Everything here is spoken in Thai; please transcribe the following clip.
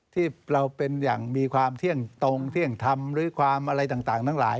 ที่เราเป็นอย่างมีความเที่ยงตรงเที่ยงธรรมหรือความอะไรต่างทั้งหลาย